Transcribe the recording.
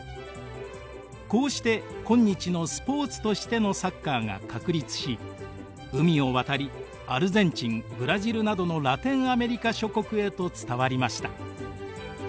こうして今日のスポーツとしてのサッカーが確立し海を渡りアルゼンチンブラジルなどのラテンアメリカ諸国へと伝わりました。